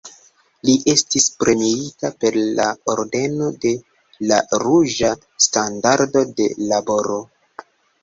Li estis premiita per la Ordeno de la Ruĝa Standardo de Laboro.